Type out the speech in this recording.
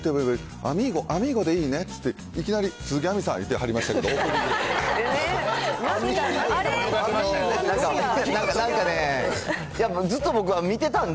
アミーゴ、アミーゴでいいねって、いきなり、鈴木亜美さん言ってはりましたけど、オープニングで。